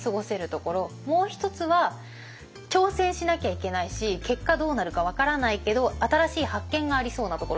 もう一つは挑戦しなきゃいけないし結果どうなるか分からないけど新しい発見がありそうなところ。